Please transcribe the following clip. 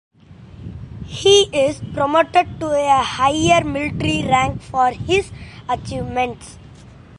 He is promoted to a higher military rank for his achievements.